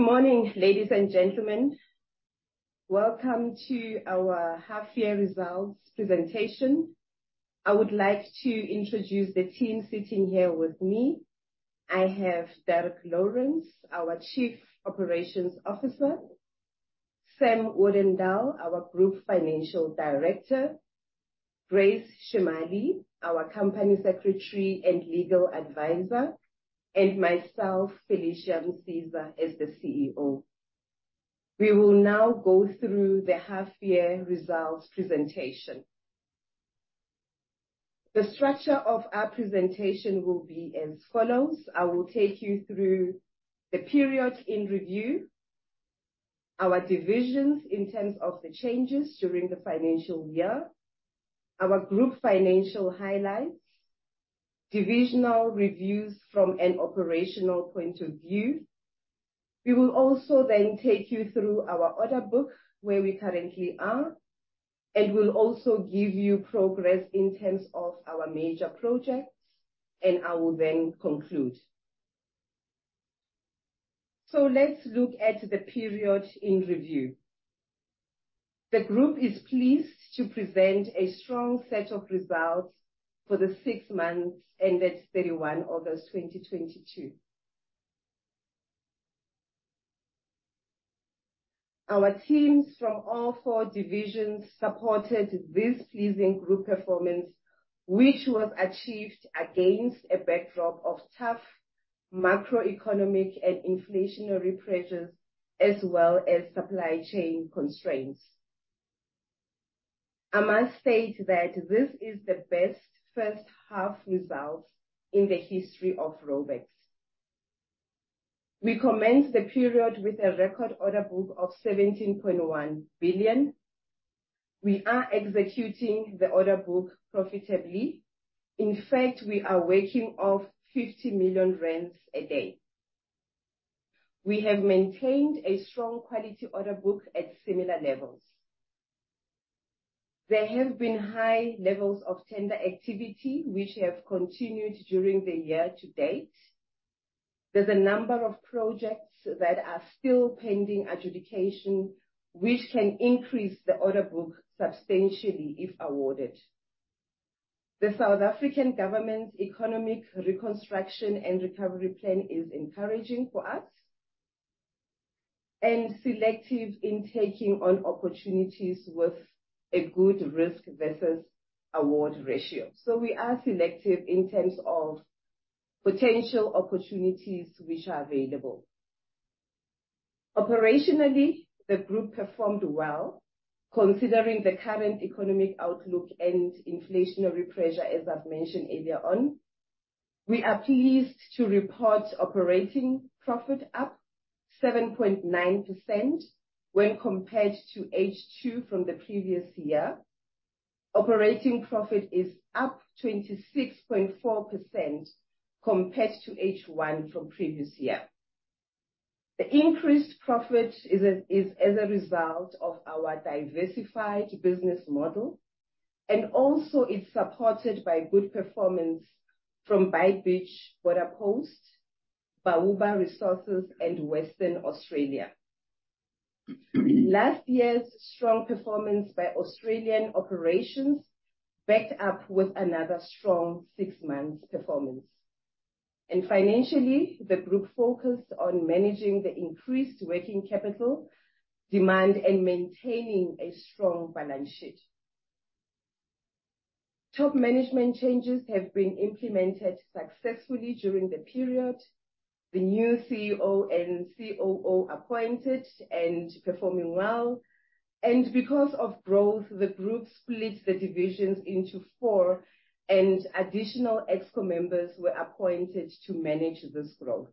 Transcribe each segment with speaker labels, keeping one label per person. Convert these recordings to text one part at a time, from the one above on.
Speaker 1: Good morning, ladies and gentlemen. Welcome to our half year results presentation. I would like to introduce the team sitting here with me. I have Dirk Lourens, our Chief Operating Officer, Samuel Odendaal, our Group Financial Director, Grace Chemaly, our Company Secretary and Legal Advisor, and myself, Felicia Msiza, as the CEO. We will now go through the half year results presentation. The structure of our presentation will be as follows: I will take you through the period in review, our divisions in terms of the changes during the financial year, our group financial highlights, divisional reviews from an operational point of view. We will also then take you through our order book, where we currently are, and we'll also give you progress in terms of our major projects, and I will then conclude. Let's look at the period in review. The group is pleased to present a strong set of results for the six months ended 31 August 2022. Our teams from all four divisions supported this pleasing group performance, which was achieved against a backdrop of tough macroeconomic and inflationary pressures, as well as supply chain constraints. I must state that this is the best first half results in the history of Raubex. We commenced the period with a record order book of 17.1 billion. We are executing the order book profitably. In fact, we are working off 50 million rands a day. We have maintained a strong quality order book at similar levels. There have been high levels of tender activity, which have continued during the year to date. There's a number of projects that are still pending adjudication, which can increase the order book substantially if awarded. The South African government's economic reconstruction and recovery plan is encouraging for us, and selective in taking on opportunities with a good risk versus reward ratio. So we are selective in terms of potential opportunities which are available. Operationally, the group performed well, considering the current economic outlook and inflationary pressure, as I've mentioned earlier on. We are pleased to report operating profit up 7.9% when compared to H2 from the previous year. Operating profit is up 26.4% compared to H1 from previous year. The increased profit is as a result of our diversified business model, and also is supported by good performance from Beitbridge Border Post, Bauba Resources, and Western Australia. Last year's strong performance by Australian operations, backed up with another strong six-month performance. Financially, the group focused on managing the increased working capital demand and maintaining a strong balance sheet. Top management changes have been implemented successfully during the period. The new CEO and COO appointed and performing well. Because of growth, the group splits the divisions into four, and additional exco members were appointed to manage this growth.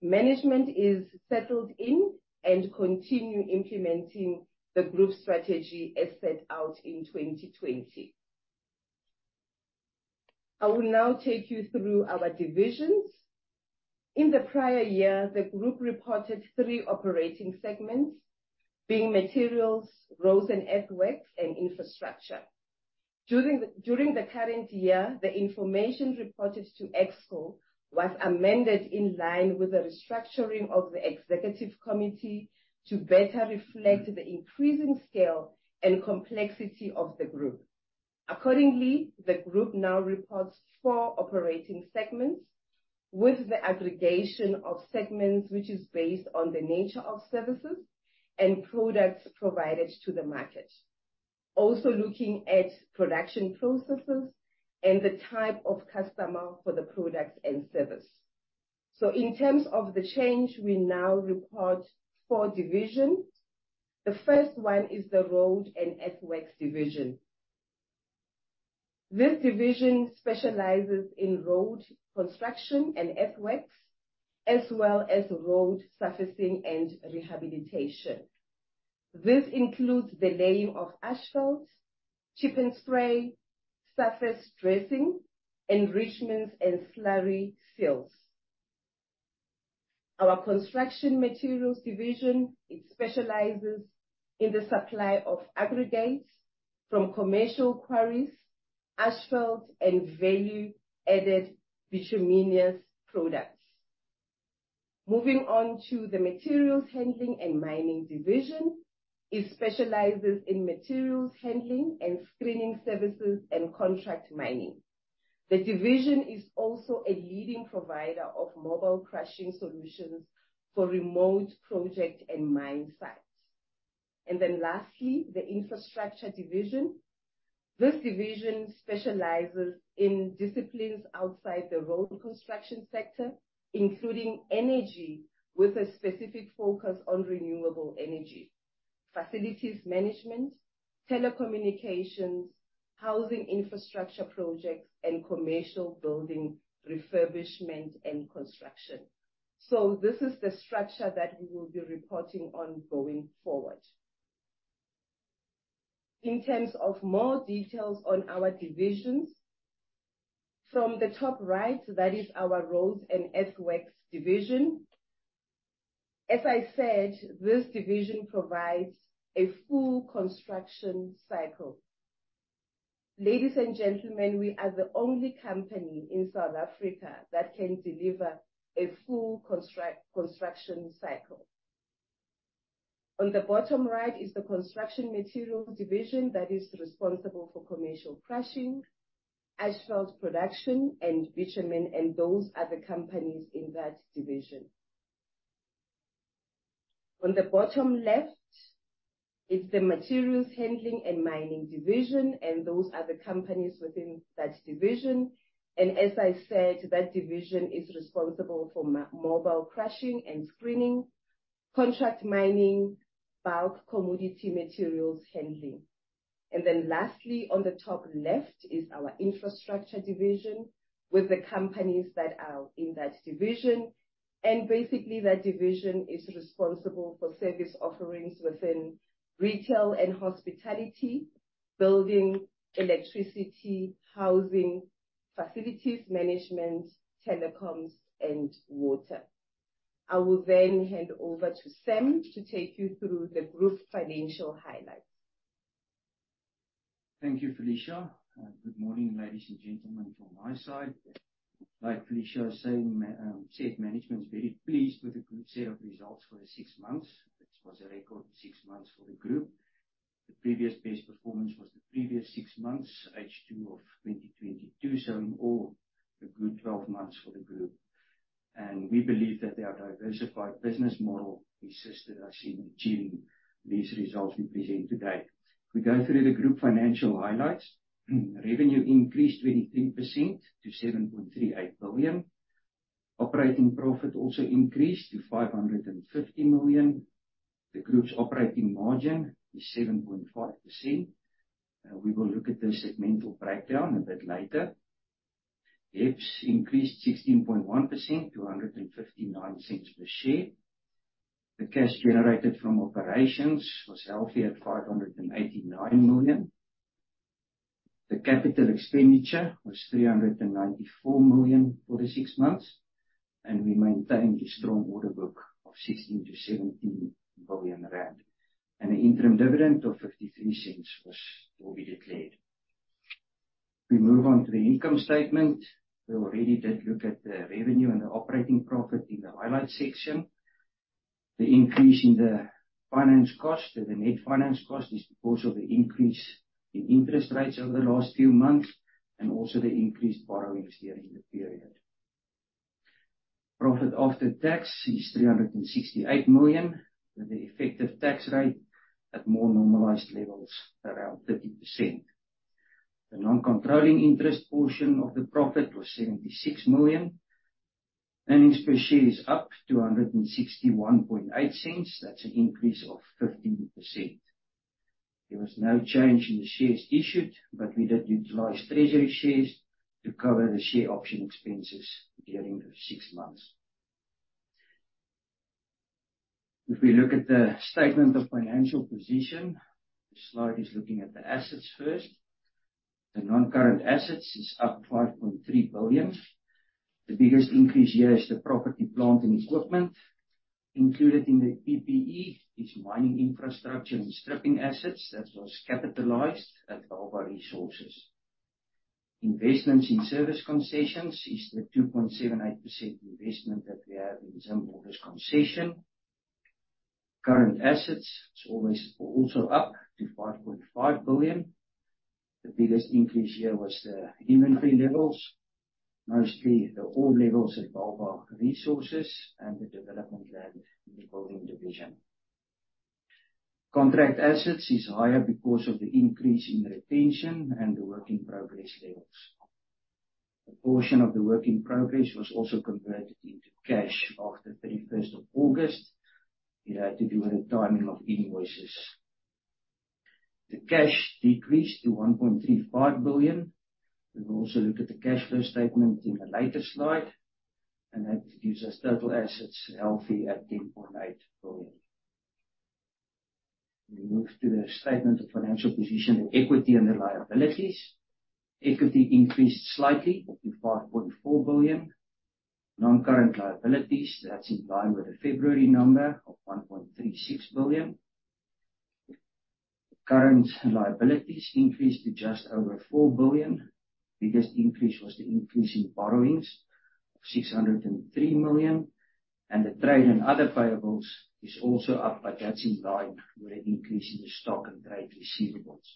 Speaker 1: Management is settled in and continue implementing the group's strategy as set out in 2020. I will now take you through our divisions. In the prior year, the group reported three operating segments, being materials, roads and earthworks, and infrastructure. During the current year, the information reported to exco was amended in line with the restructuring of the executive committee to better reflect the increasing scale and complexity of the group. Accordingly, the group now reports four operating segments, with the aggregation of segments, which is based on the nature of services and products provided to the market. Also, looking at production processes and the type of customer for the product and service. So in terms of the change, we now report four divisions. The first one is the Roads and Earthworks division. This division specializes in road construction and earthworks, as well as road surfacing and rehabilitation. This includes the laying of asphalt, chip and spray, surface dressing, enrichments, and slurry seals. Our Construction Materials division, it specializes in the supply of aggregates from commercial quarries, asphalt and value-added bituminous products. Moving on to the Materials Handling and Mining division. It specializes in materials handling and screening services and contract mining. The division is also a leading provider of mobile crushing solutions for remote project and mine sites. And then lastly, the Infrastructure division. This division specializes in disciplines outside the road construction sector, including energy, with a specific focus on renewable energy, facilities management, telecommunications, housing infrastructure projects, and commercial building refurbishment and construction. So this is the structure that we will be reporting on going forward. In terms of more details on our divisions, from the top right, that is our roads and earthworks division. As I said, this division provides a full construction cycle. Ladies and gentlemen, we are the only company in South Africa that can deliver a full construction cycle. On the bottom right is the construction materials division that is responsible for commercial crushing, asphalt production, and bitumen, and those are the companies in that division. On the bottom left, it's the Materials Handling and Mining division, and those are the companies within that division. And as I said, that division is responsible for mobile crushing and screening, contract mining, bulk commodity materials handling. And then lastly, on the top left is our Infrastructure division, with the companies that are in that division. And basically, that division is responsible for service offerings within retail and hospitality, building, electricity, housing, facilities management, telecoms, and water. I will then hand over to Sam to take you through the group financial highlights.
Speaker 2: Thank you, Felicia, and good morning, ladies and gentlemen, from my side. Like Felicia was saying, said, management is very pleased with the good set of results for the six months. It was a record six months for the group. The previous best performance was the previous six months, H2 of 2022, so in all, a good 12 months for the group. We believe that our diversified business model assisted us in achieving these results we present today. If we go through the group financial highlights, revenue increased 23% to 7.38 billion. Operating profit also increased to 550 million. The group's operating margin is 7.5%. We will look at the segmental breakdown a bit later. EPS increased 16.1% to 1.59 per share. The cash generated from operations was healthy at 589 million. The capital expenditure was 394 million for the six months, and we maintained a strong order book of 16-17 billion rand, and an interim dividend of 0.53 was, will be declared. We move on to the income statement. We already did look at the revenue and the operating profit in the highlights section. The increase in the finance cost, the net finance cost, is because of the increase in interest rates over the last few months and also the increased borrowings during the period. Profit after tax is 368 million, with the effective tax rate at more normalized levels, around 30%. The non-controlling interest portion of the profit was 76 million. Earnings per share is up to 1.618. That's an increase of 15%. There was no change in the shares issued, but we did utilize treasury shares to cover the share option expenses during the six months. If we look at the statement of financial position, the slide is looking at the assets first. The non-current assets is up 5.3 billion. The biggest increase here is the property, plant, and equipment. Included in the PPE is mining infrastructure and stripping assets that was capitalized at Bauba Resources. Investments in service concessions is the 2.78 billion investment that we have in ZimBorders concession. Current assets is always, also up to 5.5 billion. The biggest increase here was the inventory levels, mostly the ore levels at Bauba Resources and the development land in the building division. Contract assets is higher because of the increase in retention and the work-in-progress levels. A portion of the work in progress was also converted into cash after 31st of August. It had to do with the timing of invoices. The cash decreased to 1.35 billion. We will also look at the cash flow statement in a later slide, and that gives us total assets healthy at 10.8 billion. We move to the statement of financial position in equity and the liabilities. Equity increased slightly, up to 5.4 billion. Non-current liabilities, that's in line with the February number of 1.36 billion. Current liabilities increased to just over 4 billion. The biggest increase was the increase in borrowings, 603 million, and the trade and other payables is also up, but that's in line with an increase in the stock and trade receivables.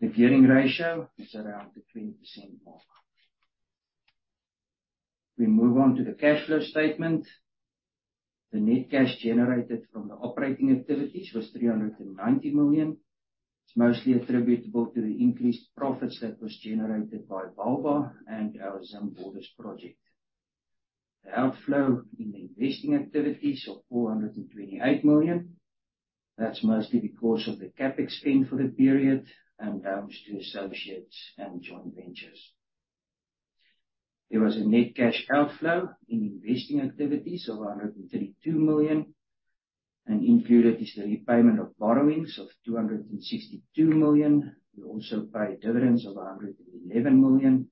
Speaker 2: The gearing ratio is around the 20% mark. We move on to the cash flow statement. The net cash generated from the operating activities was 390 million. It's mostly attributable to the increased profits that was generated by Bauba and our ZimBorders project. The outflow in the investing activities of 428 million, that's mostly because of the CapEx spend for the period and down to associates and joint ventures. There was a net cash outflow in investing activities of 132 million, and included is the repayment of borrowings of 262 million. We also paid dividends of 111 million,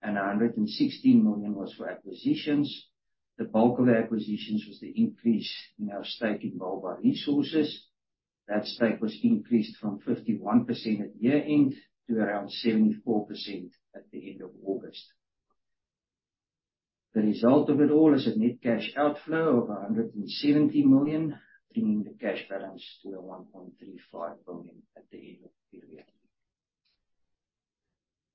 Speaker 2: and 116 million was for acquisitions. The bulk of the acquisitions was the increase in our stake in Bauba Resources. That stake was increased from 51% at year-end to around 74% at the end of August. The result of it all is a net cash outflow of 170 million, bringing the cash balance to 1.35 billion at the end of the period.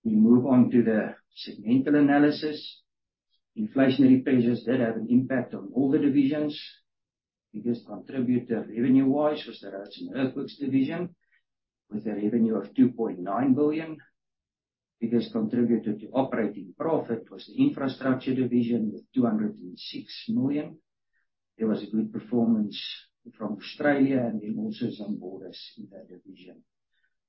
Speaker 2: We move on to the segmental analysis. Inflationary pressures did have an impact on all the divisions. Biggest contributor revenue-wise was the Roads and Earthworks division, with a revenue of 2.9 billion. Biggest contributor to operating profit was the Infrastructure division, with 206 million. There was a good performance from Australia and then also ZimBorders in that division.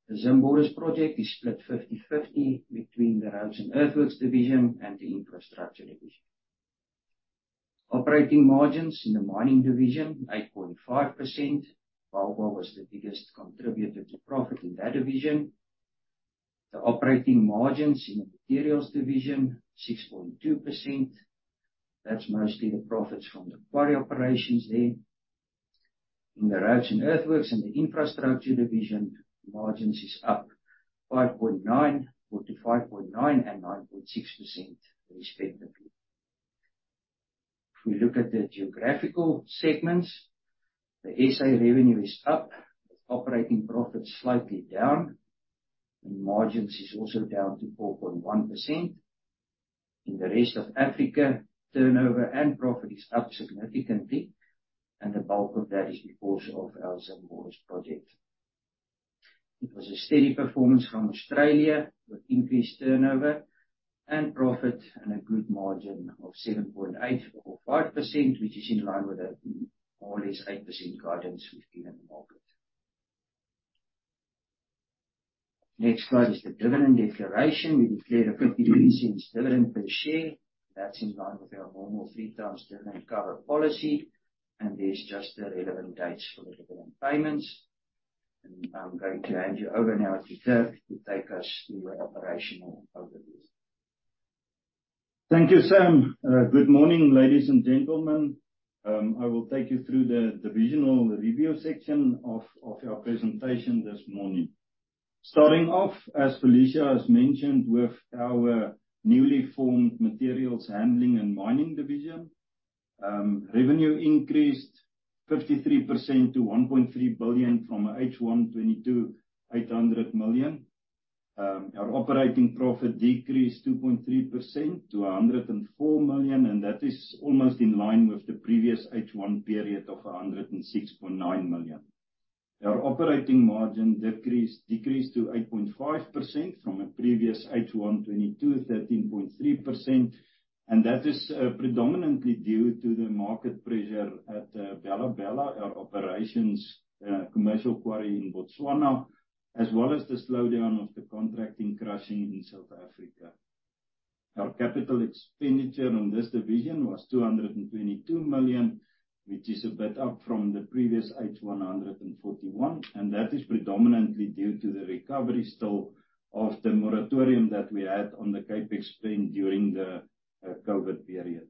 Speaker 2: The ZimBorders project is split 50/50 between the Roads and Earthworks division and the Infrastructure division. Operating margins in the mining division, 8.5%. Bauba was the biggest contributor to profit in that division. The operating margins in the Materials division, 6.2%. That's mostly the profits from the quarry operations there. In the Roads and Earthworks and the Infrastructure division, margins is up 5.9%, or to 5.9% and 9.6% respectively. If we look at the geographical segments, the S.A. revenue is up, operating profit slightly down, and margins is also down to 4.1%. In the rest of Africa, turnover and profit is up significantly, and the bulk of that is because of our ZimBorders project. It was a steady performance from Australia, with increased turnover and profit and a good margin of 7.8% or 5%, which is in line with the more or less 8% guidance we've given the market. Next slide is the dividend declaration. We declared a 0.53 dividend per share. That's in line with our normal three times dividend cover policy, and there's just the relevant dates for the dividend payments. I'm going to hand you over now to Dirk to take us through our operational overview.
Speaker 3: Thank you, Sam. Good morning, ladies and gentlemen. I will take you through the divisional review section of our presentation this morning. Starting off, as Felicia has mentioned, with our newly formed Materials Handling and Mining division, revenue increased 53% to 1.3 billion, from H1 2022, 800 million. Our operating profit decreased 2.3% to 104 million, and that is almost in line with the previous H1 period of 106.9 million. Our operating margin decreased to 8.5% from a previous H1 2022, 13.3%, and that is predominantly due to the market pressure at Bela-Bela, our operations, commercial quarry in Botswana, as well as the slowdown of the contracting crushing in South Africa. Our capital expenditure in this division was 222 million, which is a bit up from the previous H1 141 million, and that is predominantly due to the recovery still of the moratorium that we had on the CapEx spend during the COVID period.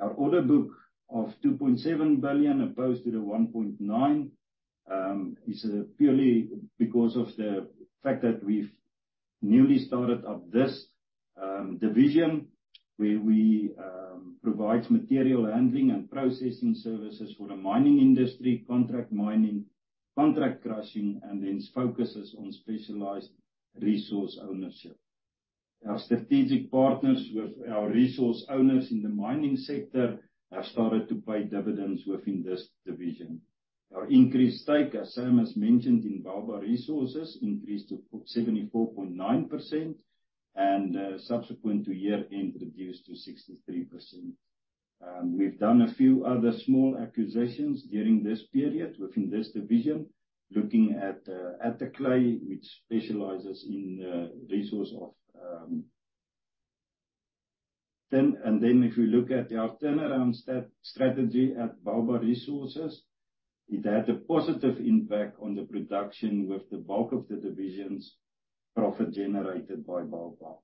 Speaker 3: Our order book of 2.7 billion, opposed to the 1.9 billion, is purely because of the fact that we've newly started up this division, where we provide material handling and processing services for the mining industry, contract mining, contract crushing, and then focuses on specialized resource ownership. Our strategic partners with our resource owners in the mining sector have started to pay dividends within this division. Our increased stake, as Sam has mentioned, in Bauba Resources, increased to 74.9%, and subsequent to year-end, reduced to 63%. We've done a few other small acquisitions during this period within this division, looking at Attaclay, which specializes in. Then, if you look at our turnaround strategy at Bauba Resources. It had a positive impact on the production, with the bulk of the division's profit generated by Bauba.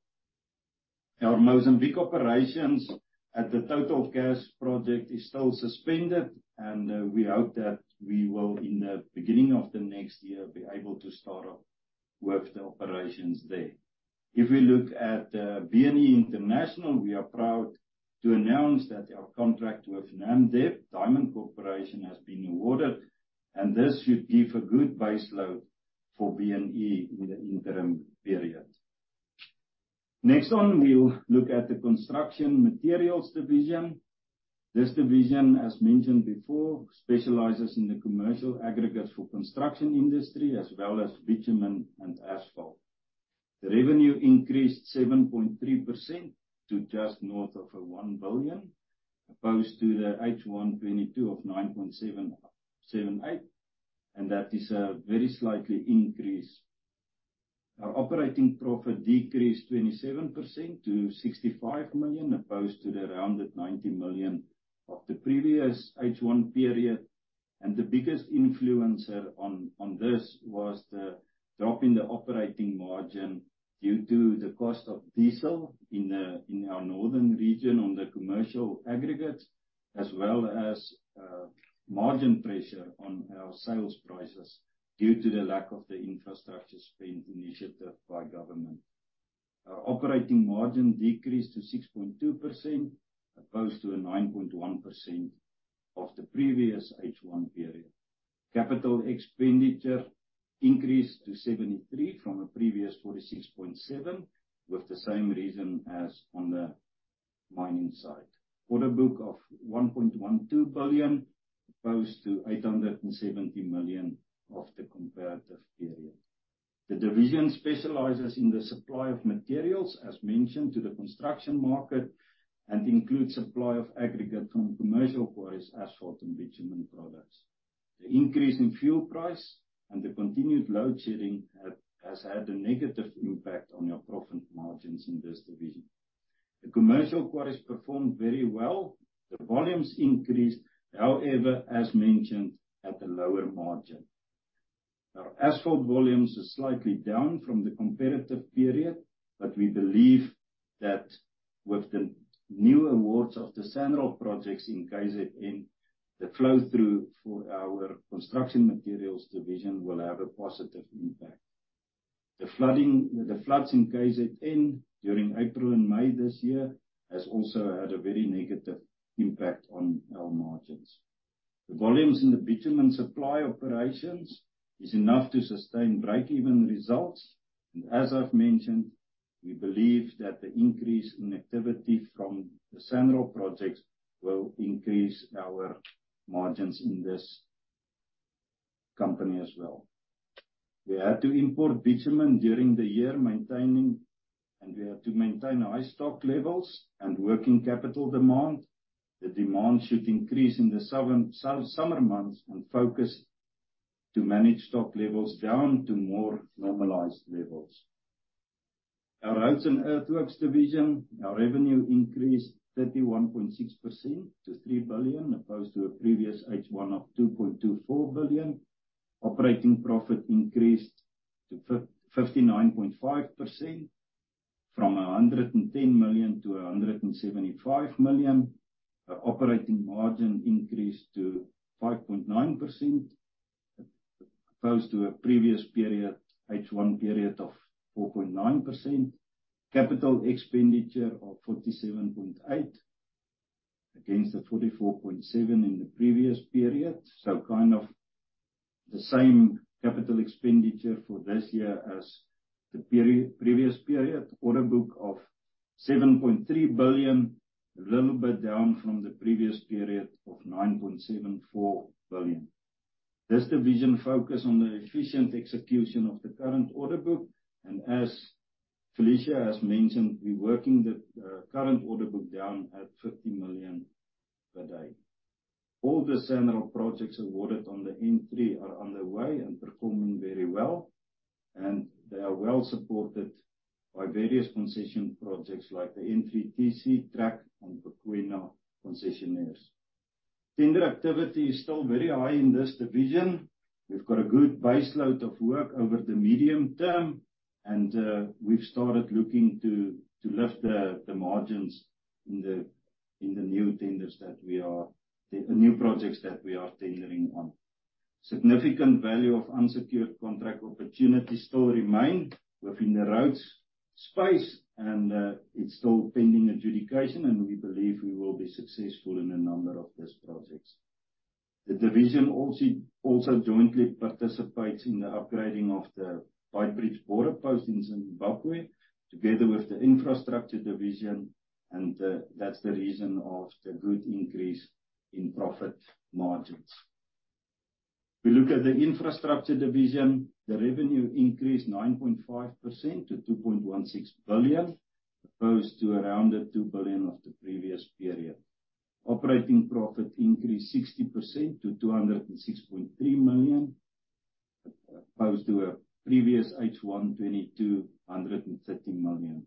Speaker 3: Our Mozambique operations at the TotalEnergies project is still suspended, and we hope that we will, in the beginning of the next year, be able to start up with the operations there. If we look at B&E International, we are proud to announce that our contract with Namdeb Diamond Corporation has been awarded, and this should give a good baseload for B&E in the interim period. Next, we'll look at the Construction Materials division. This division, as mentioned before, specializes in the commercial aggregate for construction industry, as well as bitumen and asphalt. The revenue increased 7.3% to just north of 1 billion, opposed to the H1 2022 of 977.8, and that is a very slightly increase. Our operating profit decreased 27% to 65 million, opposed to the rounded 90 million of the previous H1 period, and the biggest influencer on this was the drop in the operating margin due to the cost of diesel in our northern region on the commercial aggregates, as well as margin pressure on our sales prices due to the lack of the infrastructure spend initiative by government. Our operating margin decreased to 6.2%, opposed to a 9.1% of the previous H1 period. Capital expenditure increased to 73 from a previous 46.7, with the same reason as on the mining side. Order book of 1.12 billion, opposed to 870 million of the comparative period. The division specializes in the supply of materials, as mentioned, to the construction market, and includes supply of aggregate from commercial quarries, asphalt, and bitumen products. The increase in fuel price and the continued load shedding has had a negative impact on our profit margins in this division. The commercial quarries performed very well. The volumes increased, however, as mentioned, at a lower margin. Our asphalt volumes are slightly down from the comparative period, but we believe that with the new awards of the SANRAL projects in KZN, the flow-through for our construction materials division will have a positive impact. The floods in KZN during April and May this year has also had a very negative impact on our margins. The volumes in the bitumen supply operations is enough to sustain break-even results, and as I've mentioned, we believe that the increase in activity from the SANRAL projects will increase our margins in this company as well. We had to import bitumen during the year, maintaining. And we had to maintain high stock levels and working capital demand. The demand should increase in the southern- summer months, and focus to manage stock levels down to more normalized levels. Our Roads and Earthworks division, our revenue increased 31.6% to 3 billion, opposed to a previous H1 of 2.24 billion. Operating profit increased to 59.5%, from 110 million-175 million. Our operating margin increased to 5.9%, as opposed to a previous period, H1 period, of 4.9%. Capital expenditure of 47.8 million against the 44.7 million in the previous period, so kind of the same capital expenditure for this year as the previous period. Order book of 7.3 billion, a little bit down from the previous period of 9.74 billion. This division focus on the efficient execution of the current order book, and as Felicia has mentioned, we're working the current order book down at 50 million per day. All the SANRAL projects awarded on the N3 are underway and performing very well, and they are well supported by various concession projects like the N3TC, TRAC and Bakwena concessionaires. Tender activity is still very high in this division. We've got a good baseload of work over the medium term, and we've started looking to lift the margins in the new projects that we are tendering on. Significant value of unsecured contract opportunities still remain within the roads space, and it's still pending adjudication, and we believe we will be successful in a number of these projects. The division also jointly participates in the upgrading of the Beitbridge border post in Zimbabwe, together with the infrastructure division, and that's the reason of the good increase in profit margins. We look at the infrastructure division, the revenue increased 9.5% to 2.16 billion, opposed to around 2 billion of the previous period. Operating profit increased 60% to 206.3 million as opposed to a previous H1 225 million.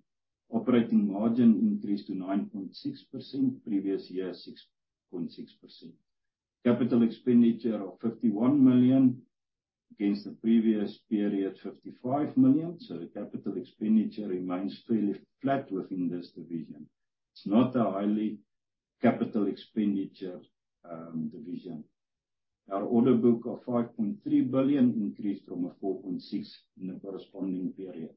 Speaker 3: Operating margin increased to 9.6%, previous year 6.6%. Capital expenditure of 51 million, against the previous period, 55 million. So the capital expenditure remains fairly flat within this division. It's not a highly capital expenditure division. Our order book of 5.3 billion increased from a 4.6 billion in the corresponding period.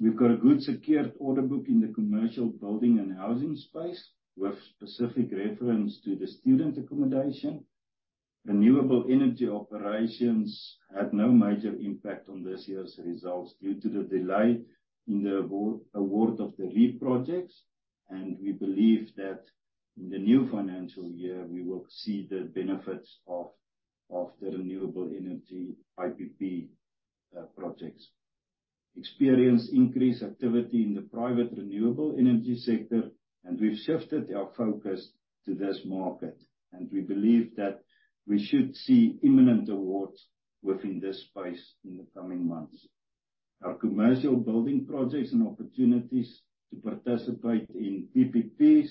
Speaker 3: We've got a good secured order book in the commercial building and housing space, with specific reference to the student accommodation. Renewable energy operations had no major impact on this year's results, due to the delay in the award of the lead projects, and we believe that in the new financial year, we will see the benefits of the renewable energy IPP projects. Experience increased activity in the private renewable energy sector, and we've shifted our focus to this market, and we believe that we should see imminent awards within this space in the coming months. Our commercial building projects and opportunities to participate in PPPs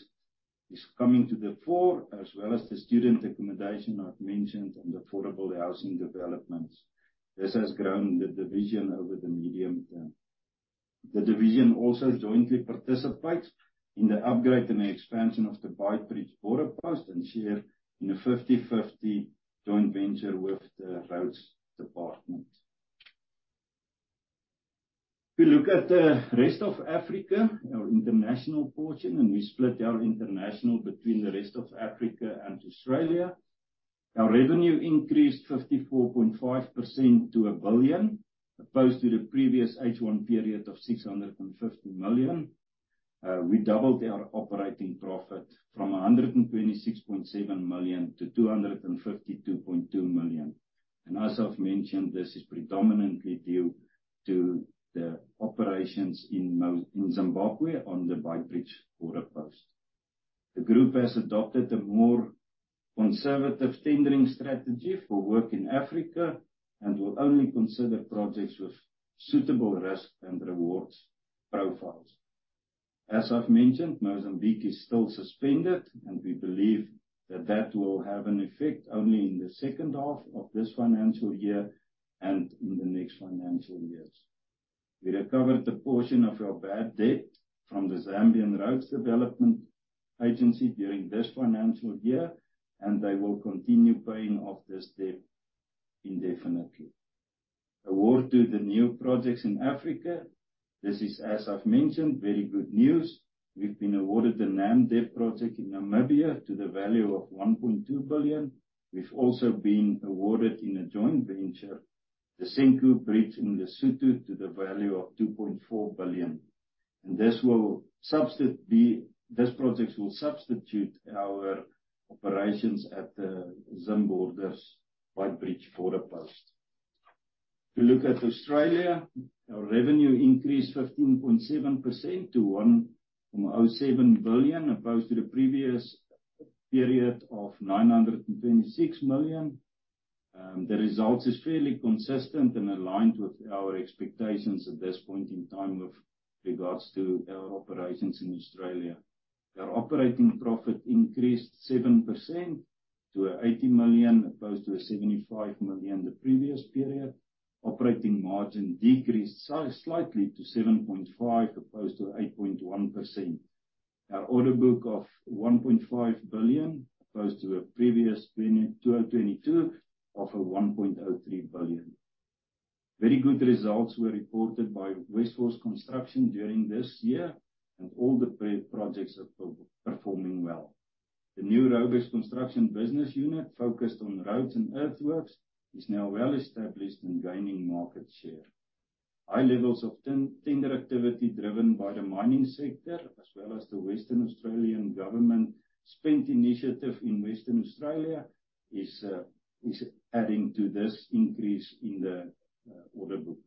Speaker 3: is coming to the fore, as well as the student accommodation I've mentioned, and affordable housing developments. This has grown the division over the medium term. The division also jointly participates in the upgrade and the expansion of the Beitbridge Border Post, and share in a 50/50 joint venture with the roads department. If you look at the rest of Africa, our international portion, and we split our international between the rest of Africa and Australia. Our revenue increased 54.5% to 1 billion, opposed to the previous H1 period of 650 million. We doubled our operating profit from 126.7 million-252.2 million, and as I've mentioned, this is predominantly due to the operations in Zimbabwe on the Beitbridge Border Post. The group has adopted a more conservative tendering strategy for work in Africa, and will only consider projects with suitable risk and rewards profiles. As I've mentioned, Mozambique is still suspended, and we believe that that will have an effect only in the second half of this financial year and in the next financial years. We recovered a portion of our bad debt from the Zambian Roads Development Agency during this financial year, and they will continue paying off this debt indefinitely. Award to the new projects in Africa, this is, as I've mentioned, very good news. We've been awarded the Namdeb project in Namibia to the value of 1.2 billion. We've also been awarded, in a joint venture, the Senqu Bridge in Lesotho to the value of 2.4 billion, and this will substitute the- this project will substitute our operations at the Zim borders, Beitbridge Border Post. If you look at Australia, our revenue increased 15.7% to 1.07 billion, opposed to the previous period of 926 million. The results is fairly consistent and aligned with our expectations at this point in time with regards to our operations in Australia. Our operating profit increased 7% to 80 million, opposed to 75 million the previous period. Operating margin decreased slightly to 7.5%, opposed to 8.1%. Our order book of 1.5 billion, opposed to a previous period 2022 of a 1.03 billion. Very good results were reported by Westforce Construction during this year, and all the projects are performing well. The new Raubex Construction business unit, focused on roads and earthworks, is now well-established and gaining market share. High levels of tender activity, driven by the mining sector, as well as the Western Australian government spend initiative in Western Australia, is adding to this increase in the order book.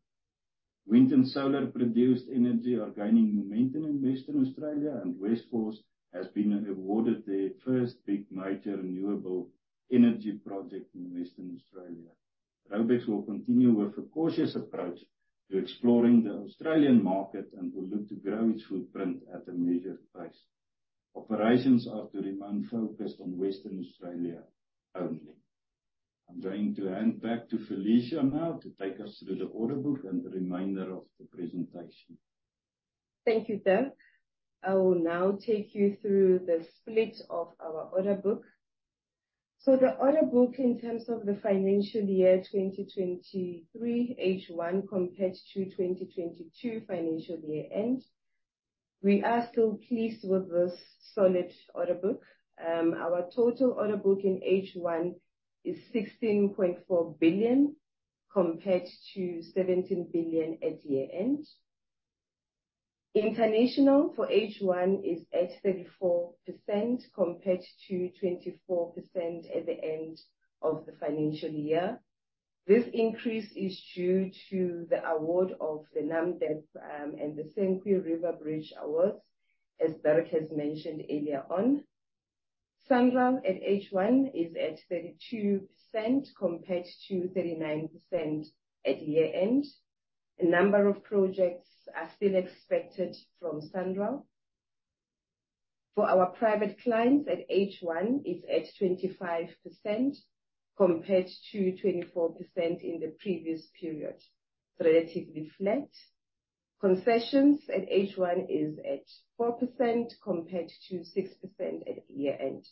Speaker 3: Wind and solar produced energy are gaining momentum in Western Australia, and Westforce has been awarded their first big major renewable energy project in Western Australia. Raubex will continue with a cautious approach to exploring the Australian market, and will look to grow its footprint at a measured pace. Operations are to remain focused on Western Australia only. I'm going to hand back to Felicia now, to take us through the order book and the remainder of the presentation.
Speaker 1: Thank you, Dirk. I will now take you through the split of our order book. So the order book, in terms of the financial year 2023, H1, compared to 2022 financial year end, we are still pleased with this solid order book. Our total order book in H1 is 16.4 billion, compared to 17 billion at year-end. International for H1 is at 34%, compared to 24% at the end of the financial year. This increase is due to the award of the Namdeb, and the Senqu River Bridge awards, as Dirk has mentioned earlier on. SANRAL at H1 is at 32% compared to 39% at year-end. A number of projects are still expected from SANRAL. For our private clients, at H1, it's at 25%, compared to 24% in the previous period, so relatively flat. Concessions at H1 is at 4%, compared to 6% at year-end.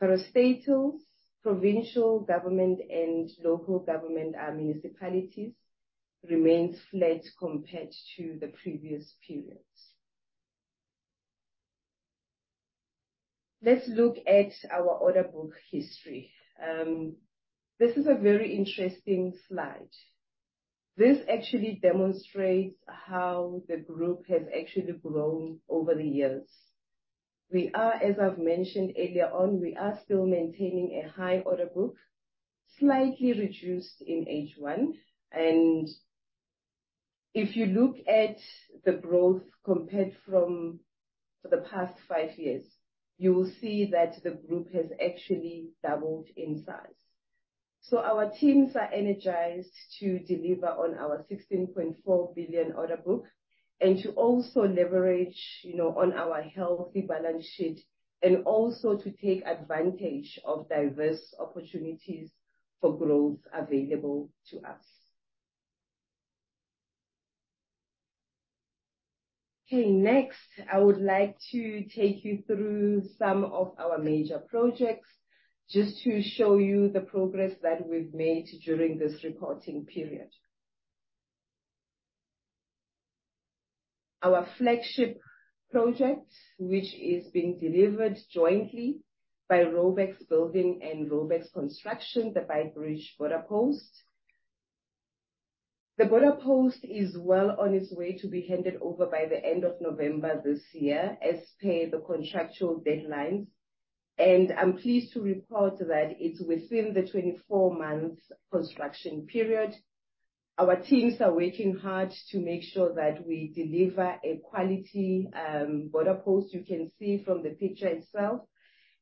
Speaker 1: Parastatals, provincial government, and local government and municipalities remains flat compared to the previous periods. Let's look at our order book history. This is a very interesting slide. This actually demonstrates how the group has actually grown over the years. We are, as I've mentioned earlier on, we are still maintaining a high order book, slightly reduced in H1, and if you look at the growth compared from for the past 5 years, you will see that the group has actually doubled in size. So our teams are energized to deliver on our 16.4 billion order book, and to also leverage, you know, on our healthy balance sheet, and also to take advantage of diverse opportunities for growth available to us. Okay, next, I would like to take you through some of our major projects, just to show you the progress that we've made during this reporting period. Our flagship project, which is being delivered jointly by Raubex Building and Raubex Construction, the Beitbridge Border Post. The border post is well on its way to be handed over by the end of November this year, as per the contractual deadlines, and I'm pleased to report that it's within the 24 months construction period. Our teams are working hard to make sure that we deliver a quality border post. You can see from the picture itself.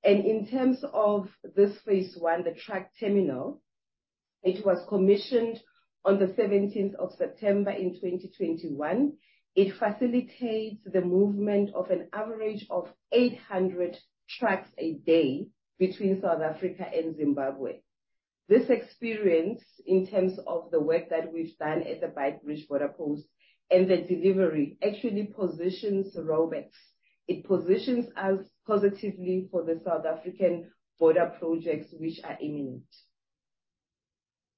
Speaker 1: In terms of this phase one, the truck terminal, it was commissioned on the 17th of September in 2021. It facilitates the movement of an average of 800 trucks a day between South Africa and Zimbabwe. This experience, in terms of the work that we've done at the Beitbridge Border Post, and the delivery, actually positions Raubex. It positions us positively for the South African border projects, which are imminent.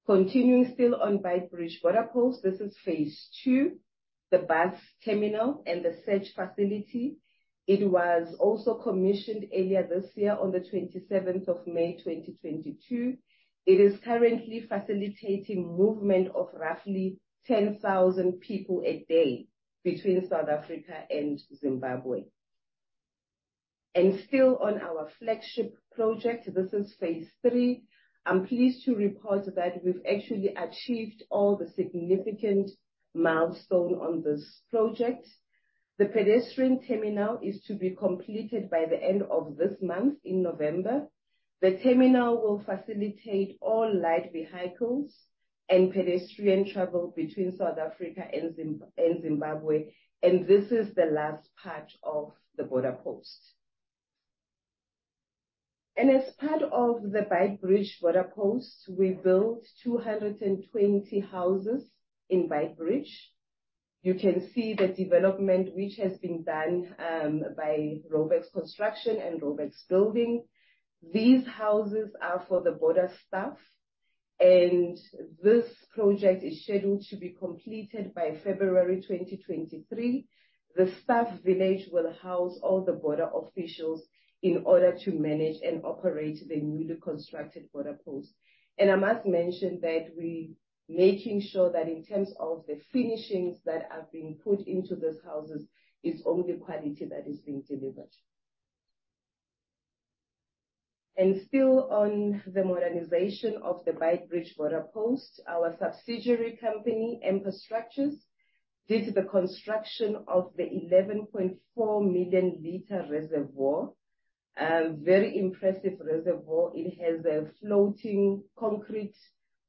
Speaker 1: Continuing still on Beitbridge Border Post, this is phase two, the bus terminal and the search facility. It was also commissioned earlier this year on the twenty-seventh of May, 2022. It is currently facilitating movement of roughly 10,000 people a day between South Africa and Zimbabwe. And still on our flagship project, this is phase three. I'm pleased to report that we've actually achieved all the significant milestone on this project. The pedestrian terminal is to be completed by the end of this month, in November. The terminal will facilitate all light vehicles and pedestrian travel between South Africa and Zimbabwe, and this is the last part of the border post. As part of the Beitbridge Border Post, we built 220 houses in Beitbridge. You can see the development, which has been done by Raubex Construction and Raubex Building. These houses are for the border staff, and this project is scheduled to be completed by February 2023. The staff village will house all the border officials in order to manage and operate the newly constructed border post. And I must mention that we making sure that in terms of the finishings that are being put into these houses, it's only quality that is being delivered. And still on the modernization of the Beitbridge Border Post, our subsidiary company, Empa Structures, did the construction of the 11.4 million liter reservoir. Very impressive reservoir. It has a floating concrete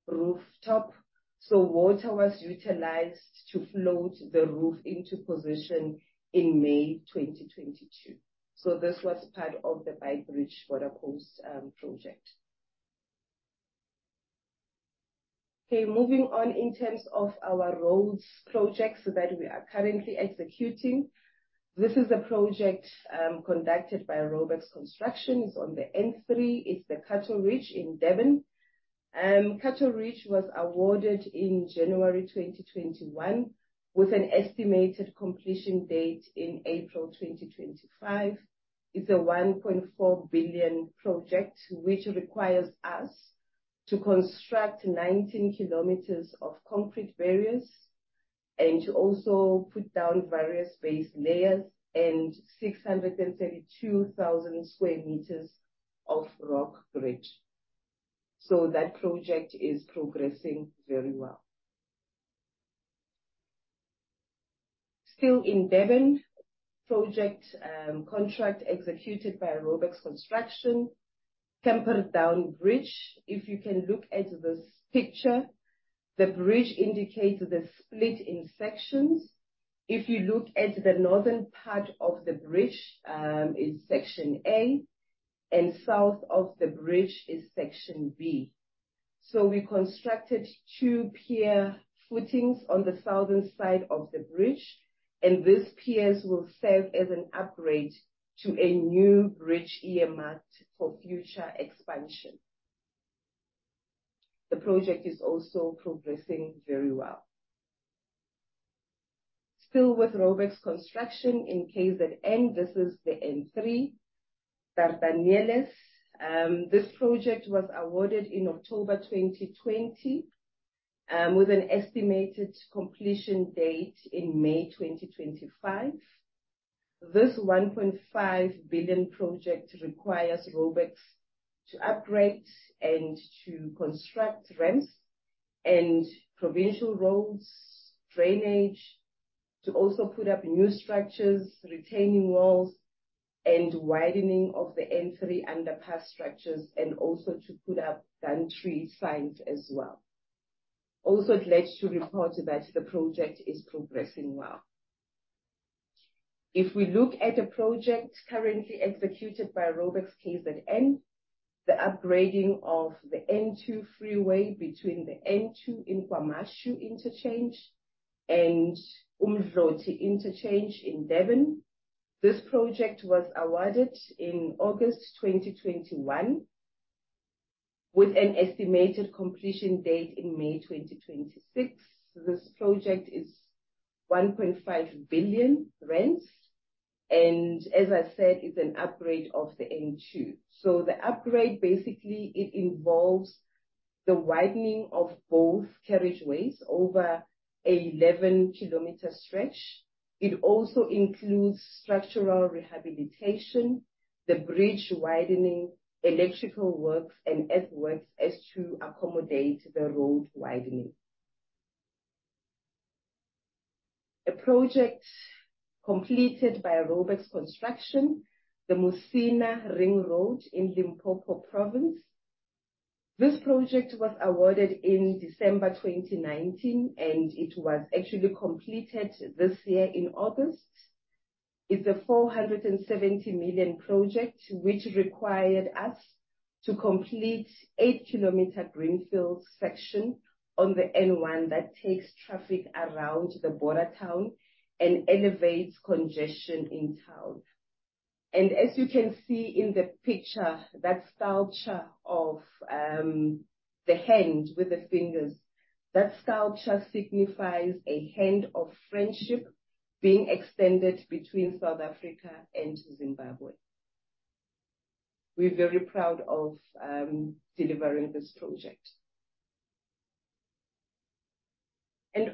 Speaker 1: rooftop, so water was utilized to float the roof into position in May 2022. So this was part of the Beitbridge Border Post project. Okay, moving on in terms of our roads projects that we are currently executing. This is a project conducted by Raubex Construction. It's on the N3. It's the Cato Ridge in Durban. Cato Ridge was awarded in January 2021, with an estimated completion date in April 2025. It's a 1.4 billion project, which requires us to construct 19 kilometers of concrete barriers, and to also put down various base layers and 632,000 square meters of rock bridge. So that project is progressing very well. Still in Durban, project contract executed by Raubex Construction, Camperdown Bridge. If you can look at this picture, the bridge indicates the split in sections. If you look at the northern part of the bridge, is section A, and south of the bridge is section B. So we constructed two pier footings on the southern side of the bridge, and these piers will serve as an upgrade to a new bridge earmarked for future expansion. The project is also progressing very well. Still with Raubex Construction, in KZN, this is the N3 Dardanelles. This project was awarded in October 2020, with an estimated completion date in May 2025. This 1.5 billion project requires Raubex to upgrade and to construct ramps and provincial roads, drainage, to also put up new structures, retaining walls, and widening of the N3 underpass structures, and also to put up gantry signs as well. Also, glad to report that the project is progressing well. If we look at a project currently executed by Raubex KZN, the upgrading of the N2 freeway between the N2 in KwaMashu Interchange and Umdloti Interchange in Durban. This project was awarded in August 2021, with an estimated completion date in May 2026. This project is 1.5 billion, and as I said, it's an upgrade of the N2. So the upgrade, basically it involves the widening of both carriageways over an 11-kilometer stretch. It also includes structural rehabilitation, the bridge widening, electrical works, and earthworks as to accommodate the road widening. A project completed by Raubex Construction, the Musina Ring Road in Limpopo Province. This project was awarded in December 2019, and it was actually completed this year in August. It's a 470 million project, which required us to complete 8-kilometer greenfield section on the N1 that takes traffic around the border town and elevates congestion in town. As you can see in the picture, that sculpture of, the hand with the fingers, that sculpture signifies a hand of friendship being extended between South Africa and Zimbabwe. We're very proud of, delivering this project.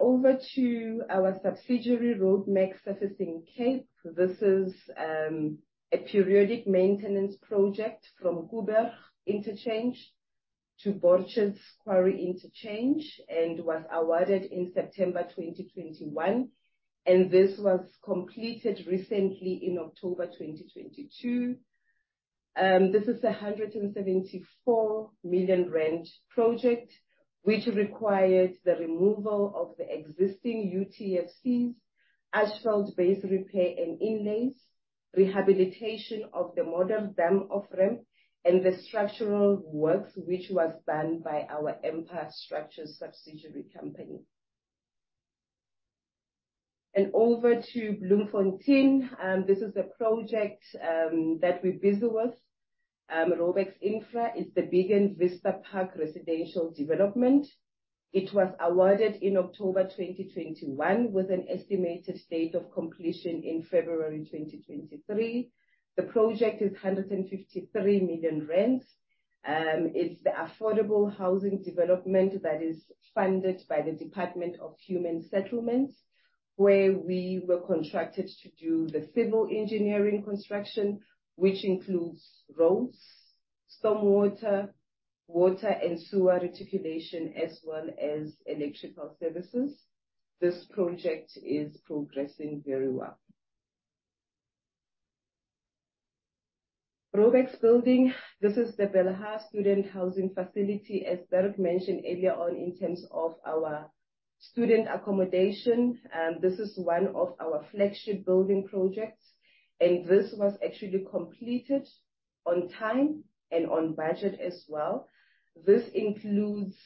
Speaker 1: Over to our subsidiary, Roadmac Surfacing Cape. This is, a periodic maintenance project from Groote Schuur Interchange to Borcherds Quarry Interchange, and was awarded in September 2021, and this was completed recently in October 2022. This is a 174 million rand project, which required the removal of the existing UTFCs, asphalt base repair and inlays, rehabilitation of the Modderdam off-ramp, and the structural works, which was done by our Empa Structures subsidiary company. And over to Bloemfontein, this is a project that we're busy with. Raubex Infra is the Bigen Africa Vista Park residential development. It was awarded in October 2021, with an estimated date of completion in February 2023. The project is 153 million rand. It's the affordable housing development that is funded by the Department of Human Settlements, where we were contracted to do the civil engineering construction, which includes roads, stormwater, water, and sewer reticulation, as well as electrical services. This project is progressing very well. Raubex Building, this is the Belhar student housing facility, as Dirk mentioned earlier on, in terms of our student accommodation, and this is one of our flagship building projects, and this was actually completed on time and on budget as well. This includes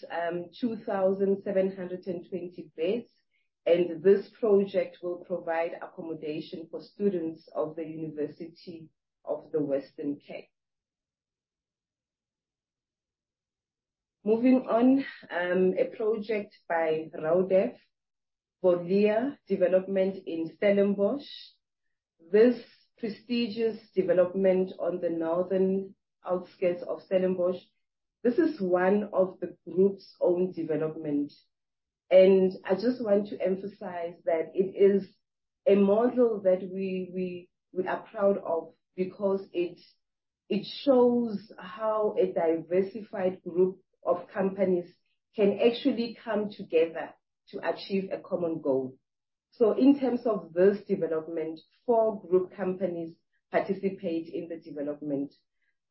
Speaker 1: 2,720 beds, and this project will provide accommodation for students of the University of the Western Cape. Moving on, a project by Raudev, Voliere development in Stellenbosch. This prestigious development on the northern outskirts of Stellenbosch, this is one of the group's own development, and I just want to emphasize that it is a model that we are proud of because it. It shows how a diversified group of companies can actually come together to achieve a common goal. So in terms of this development, four group companies participate in the development.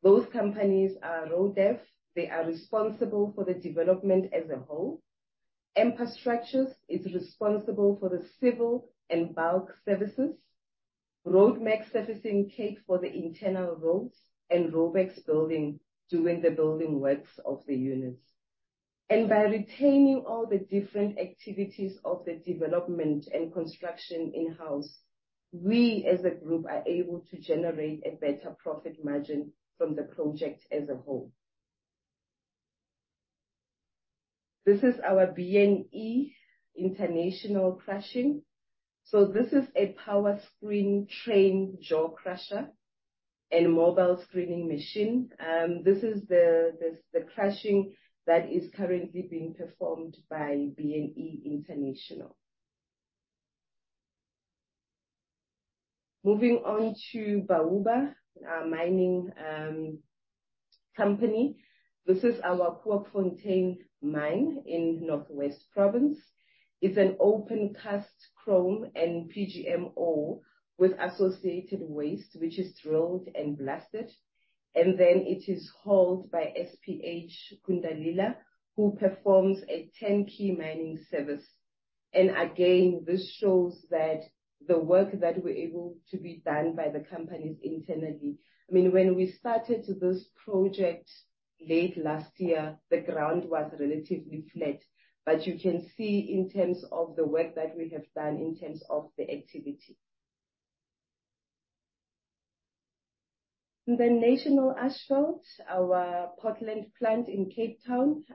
Speaker 1: Those companies are Raudev. They are responsible for the development as a whole. Empa Structures is responsible for the civil and bulk services. Roadmac Surfacing takes for the internal roads, and Raubex Building doing the building works of the units. And by retaining all the different activities of the development and construction in-house, we as a group are able to generate a better profit margin from the project as a whole. This is our B&E International crushing. So this is a Powerscreen train jaw crusher and mobile screening machine. This is the crushing that is currently being performed by B&E International. Moving on to Bauba, our mining company. This is our Kookfontein mine in North West Province. It's an open-cast chrome and PGM with associated waste, which is drilled and blasted, and then it is hauled by SPH Kundalila, who performs a turnkey mining service. Again, this shows that the work that we're able to be done by the companies internally. I mean, when we started this project late last year, the ground was relatively flat, but you can see in terms of the work that we have done, in terms of the activity. Then National Asphalt, our Portland plant in Cape Town.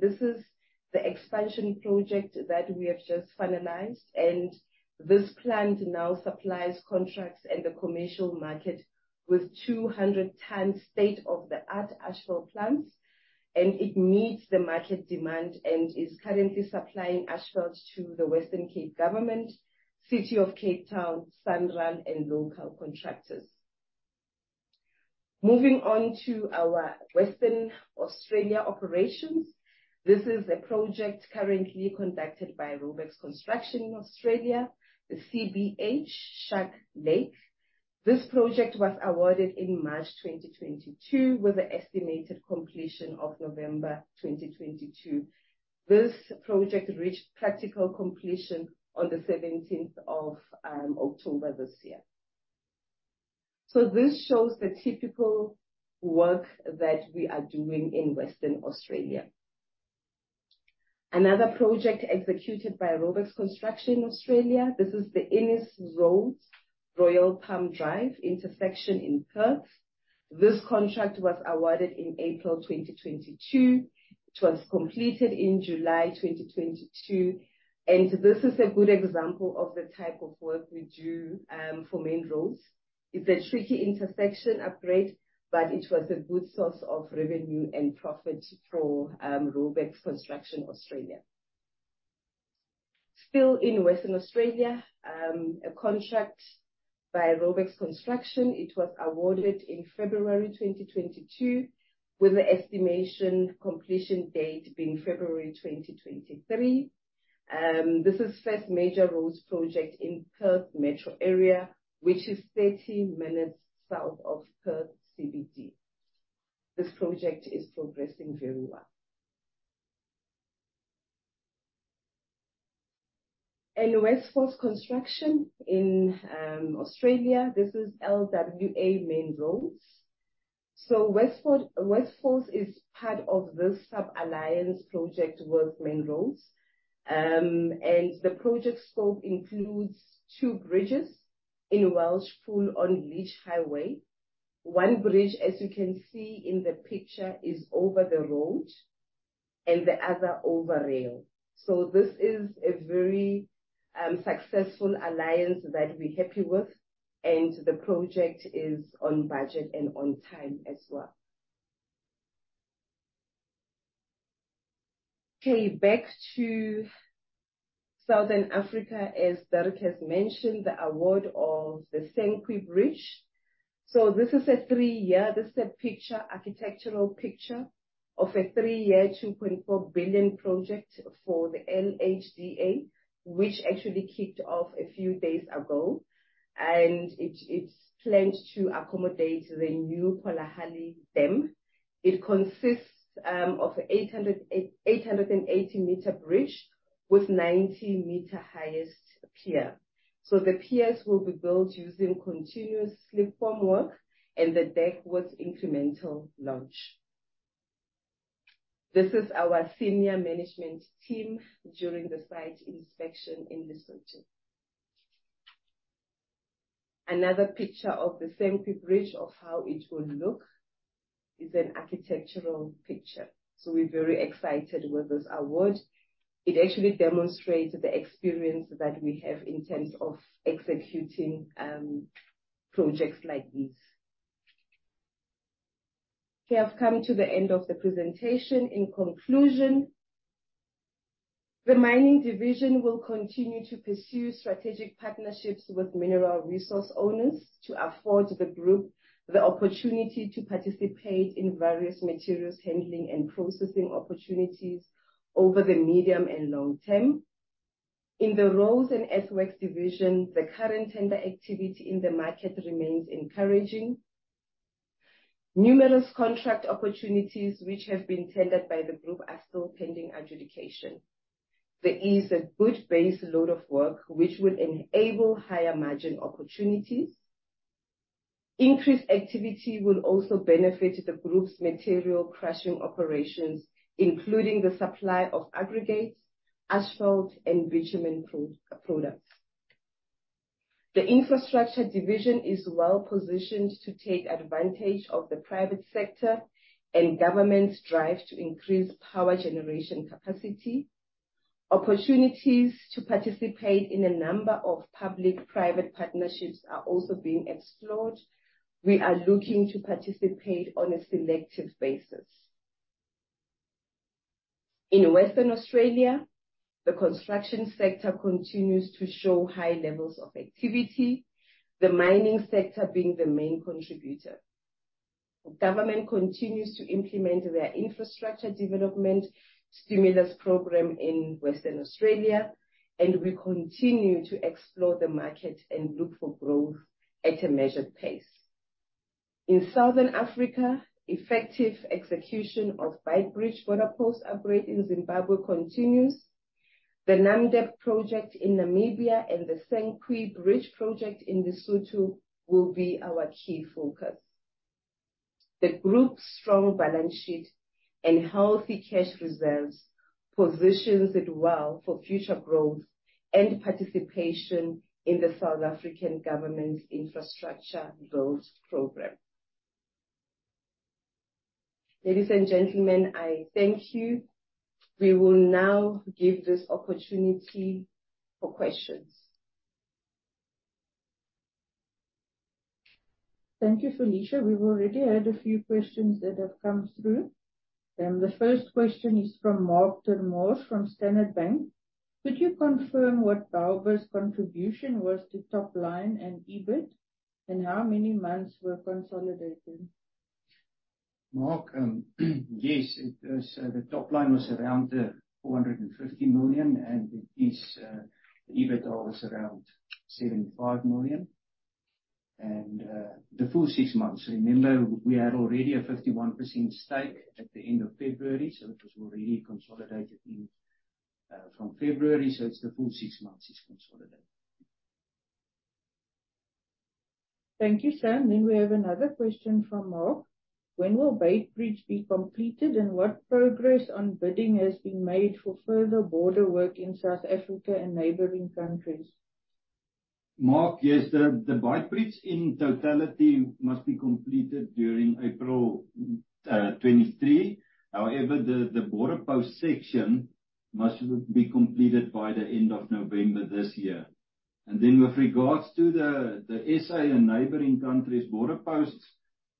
Speaker 1: This is the expansion project that we have just finalized, and this plant now supplies contracts and the commercial market with 200-ton state-of-the-art asphalt plants, and it meets the market demand and is currently supplying asphalts to the Western Cape Government, City of Cape Town, SANRAL, and local contractors. Moving on to our Western Australia operations. This is a project currently conducted by Raubex Construction in Australia, the CBH Shark Lake. This project was awarded in March 2022, with an estimated completion of November 2022. This project reached practical completion on the seventeenth of October this year. So this shows the typical work that we are doing in Western Australia. Another project executed by Raubex Construction Australia, this is the Ennis Avenue, Royal Palm Drive intersection in Perth. This contract was awarded in April 2022. It was completed in July 2022, and this is a good example of the type of work we do for main roads. It's a tricky intersection upgrade, but it was a good source of revenue and profit for Raubex Construction Australia. Still in Western Australia, a contract by Raubex Construction. It was awarded in February 2022, with an estimation completion date being February 2023. This is first major roads project in Perth metro area, which is 30 minutes south of Perth CBD. This project is progressing very well. And Westforce Construction in Australia, this is LWA Main Roads. So Westforce is part of this sub-alliance project with Main Roads, and the project scope includes two bridges in Welshpool on Leach Highway. One bridge, as you can see in the picture, is over the road and the other over rail. So this is a very successful alliance that we're happy with, and the project is on budget and on time as well. Okay, back to Southern Africa, as Dirk has mentioned, the award of the Senqu Bridge. So this is a three-year architectural picture of a three-year, 2.4 billion project for the LHDA, which actually kicked off a few days ago, and it's planned to accommodate the new Polihali Dam. It consists of an 800-meter bridge with 90-meter highest pier. So the piers will be built using continuous slip-form work, and the deck with incremental launch. This is our senior management team during the site inspection in December. Another picture of the Senqu Bridge, of how it will look. It's an architectural picture, so we're very excited with this award. It actually demonstrates the experience that we have in terms of executing projects like this. We have come to the end of the presentation. In conclusion, the mining division will continue to pursue strategic partnerships with mineral resource owners to afford the group the opportunity to participate in various materials handling and processing opportunities over the medium and long term. In the Roads and Earthworks division, the current tender activity in the market remains encouraging. Numerous contract opportunities, which have been tendered by the group, are still pending adjudication. There is a good base load of work which will enable higher margin opportunities. Increased activity will also benefit the group's material crushing operations, including the supply of aggregates, asphalt, and bitumen products. The Infrastructure division is well positioned to take advantage of the private sector and government's drive to increase power generation capacity. Opportunities to participate in a number of public-private partnerships are also being explored. We are looking to participate on a selective basis. In Western Australia, the construction sector continues to show high levels of activity, the mining sector being the main contributor. Government continues to implement their infrastructure development stimulus program in Western Australia, and we continue to explore the market and look for growth at a measured pace. In Southern Africa, effective execution of Beitbridge Border Post upgrade in Zimbabwe continues. The Namdeb project in Namibia and the Senqu Bridge project in Lesotho will be our key focus. The group's strong balance sheet and healthy cash reserves positions it well for future growth and participation in the South African government's infrastructure roads program. Ladies and gentlemen, I thank you. We will now give this opportunity for questions.
Speaker 4: Thank you, Felicia. We've already had a few questions that have come through. The first question is from Marc ter Mors from Standard Bank. Could you confirm what Bauba's contribution was to top line and EBIT, and how many months were consolidated?
Speaker 2: Marc, yes, it is, the top line was around 450 million, and it is, the EBITDA was around 75 million. The full six months, remember, we had already a 51% stake at the end of February, so it was already consolidated in, from February, so it's the full six months is consolidated.
Speaker 4: Thank you, Sam. Then we have another question from Marc: When will Beitbridge be completed, and what progress on bidding has been made for further border work in South Africa and neighboring countries?
Speaker 3: Marc, yes, the Beitbridge in totality must be completed during April 2023. However, the border post section must be completed by the end of November this year. And then with regards to the SA and neighboring countries border posts,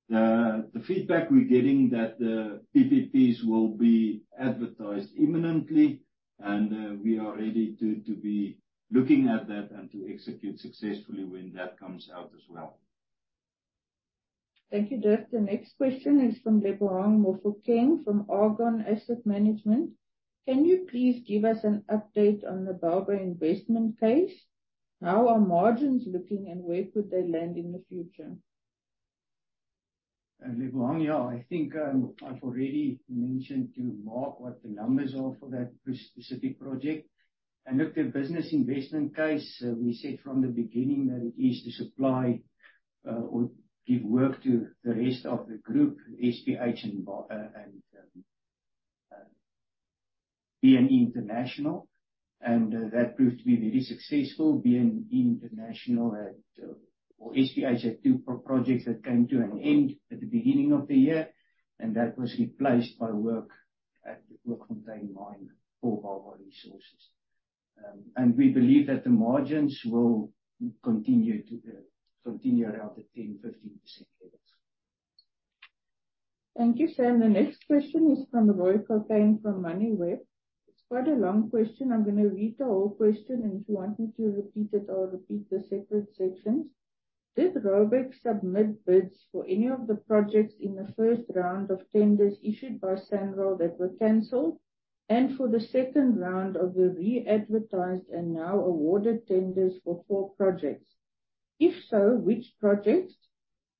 Speaker 3: the feedback we're getting that the PPPs will be advertised imminently, and we are ready to be looking at that and to execute successfully when that comes out as well.
Speaker 4: Thank you, Dirk. The next question is from Lebohang Mofokeng, from Argon Asset Management. Can you please give us an update on the Bauba investment case? How are margins looking, and where could they land in the future?
Speaker 2: Lebohang, yeah, I think I've already mentioned to Marc what the numbers are for that specific project. And look, the business investment case, we said from the beginning that it is to supply or give work to the rest of the group, SPH and B&E International, and that proved to be very successful. B&E International had, or SPH, had two projects that came to an end at the beginning of the year, and that was replaced by work at the Kookfontein mine for Bauba Resources. And we believe that the margins will continue to continue around the 10%-15% levels.
Speaker 4: Thank you, Sam. The next question is from Roy Cokayne, from Moneyweb. It's quite a long question. I'm gonna read the whole question, and if you want me to repeat it, I'll repeat the separate sections. Did Raubex submit bids for any of the projects in the first round of tenders issued by SANRAL that were canceled, and for the second round of the re-advertised and now awarded tenders for four projects? If so, which projects,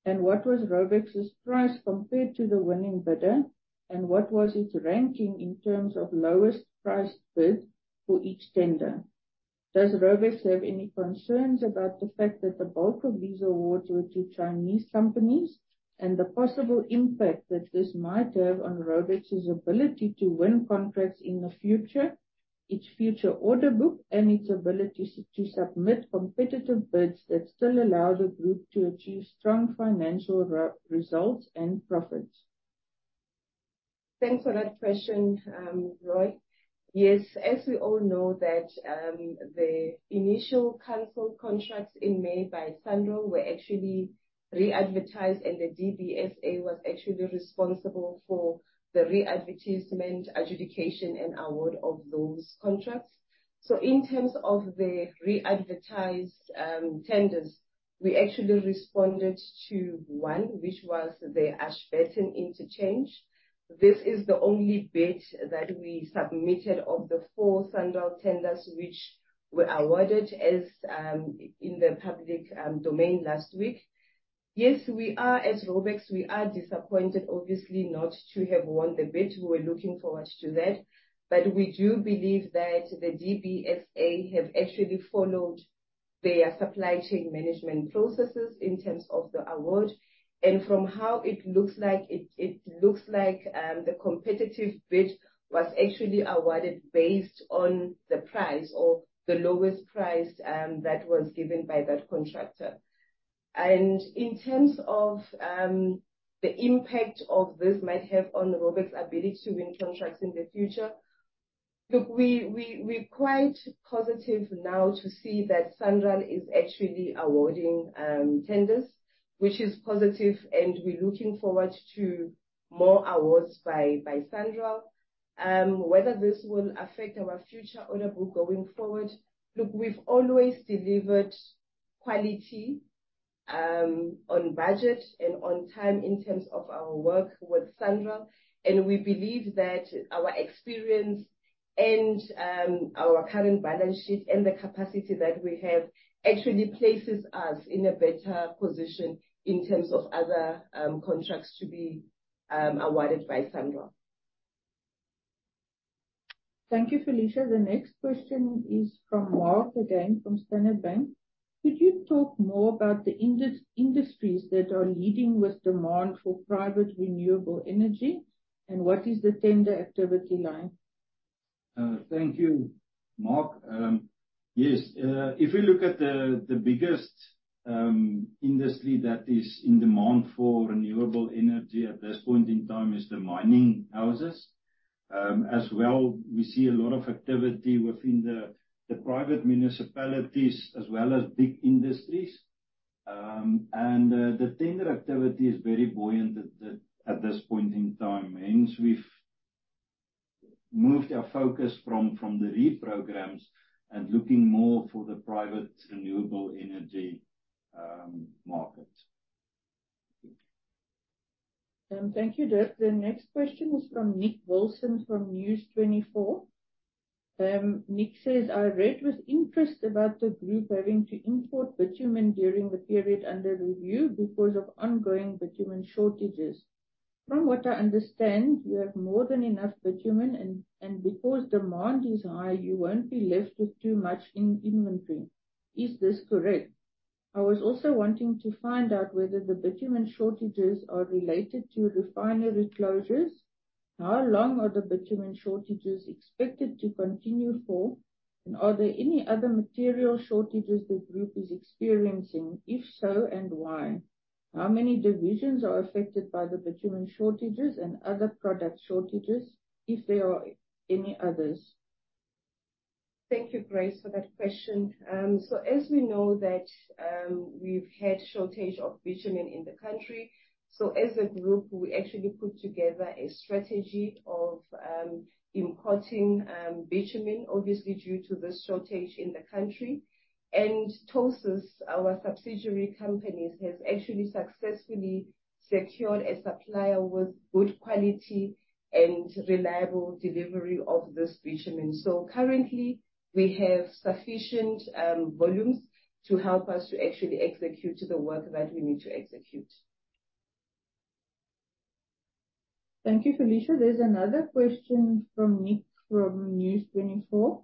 Speaker 4: and what was Raubex's price compared to the winning bidder, and what was its ranking in terms of lowest priced bid for each tender? Does Raubex have any concerns about the fact that the bulk of these awards were to Chinese companies, and the possible impact that this might have on Raubex's ability to win contracts in the future, its future order book, and its ability to submit competitive bids that still allow the group to achieve strong financial results and profits?
Speaker 1: Thanks for that question, Roy. Yes, as we all know that the initial canceled contracts in May by SANRAL were actually re-advertised, and the DBSA was actually responsible for the re-advertisement, adjudication, and award of those contracts. So in terms of the re-advertised tenders. We actually responded to one, which was the Ashburton Interchange. This is the only bid that we submitted of the four SANRAL tenders, which were awarded, as in the public domain last week. Yes, we are, as Raubex, we are disappointed, obviously, not to have won the bid. We were looking forward to that. But we do believe that the DBSA have actually followed their supply chain management processes in terms of the award. From how it looks like, it looks like the competitive bid was actually awarded based on the price, or the lowest price, that was given by that contractor. In terms of the impact of this might have on Raubex's ability to win contracts in the future, look, we're quite positive now to see that SANRAL is actually awarding tenders, which is positive, and we're looking forward to more awards by SANRAL. Whether this will affect our future order book going forward, look, we've always delivered quality on budget and on time in terms of our work with SANRAL, and we believe that our experience and our current balance sheet and the capacity that we have actually places us in a better position in terms of other contracts to be awarded by SANRAL.
Speaker 4: Thank you, Felicia. The next question is from Marc again, from Standard Bank. Could you talk more about the industries that are leading with demand for private renewable energy, and what is the tender activity like?
Speaker 3: Thank you, Marc. Yes, if you look at the biggest industry that is in demand for renewable energy at this point in time is the mining houses. As well, we see a lot of activity within the private municipalities, as well as big industries. And the tender activity is very buoyant at this point in time, hence we've moved our focus from the RE programs and looking more for the private renewable energy market.
Speaker 4: Thank you, Dirk. The next question is from Nick Wilson, from News24. Nick says, "I read with interest about the group having to import bitumen during the period under review because of ongoing bitumen shortages. From what I understand, you have more than enough bitumen and, and because demand is high, you won't be left with too much in inventory. Is this correct? I was also wanting to find out whether the bitumen shortages are related to refinery closures. How long are the bitumen shortages expected to continue for? And are there any other material shortages the group is experiencing? If so, and why? How many divisions are affected by the bitumen shortages and other product shortages, if there are any others?
Speaker 1: Thank you, Grace, for that question. So as we know that, we've had shortage of bitumen in the country, so as a group, we actually put together a strategy of, importing, bitumen, obviously due to the shortage in the country. And Tosas, our subsidiary companies, has actually successfully secured a supplier with good quality and reliable delivery of this bitumen. So currently, we have sufficient, volumes to help us to actually execute the work that we need to execute.
Speaker 4: Thank you, Felicia. There's another question from Nick, from News24.